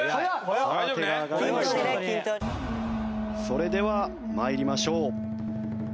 それでは参りましょう。